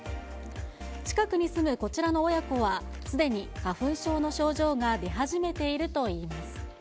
近くに住むこちらの親子は、すでに花粉症の症状が出始めているといいます。